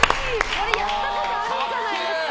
これやったことあるんじゃないですか。